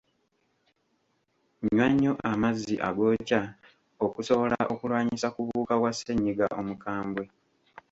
Nywa nnyo amazzi agookya okusobola okulwanyisa ku buwuka bwa ssennyiga omukambwe.